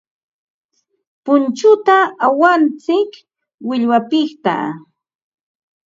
Punchuta awantsik millwapiqta.